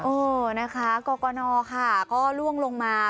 โอ้นะคะโกโกนอร์ค่ะก็ร่วงลงมา